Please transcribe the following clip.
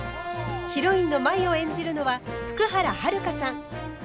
ヒロインの舞を演じるのは福原遥さん。